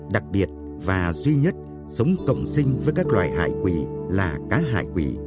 đặc biệt và duy nhất sống cộng sinh với các loài hải quỷ là cá hải quỷ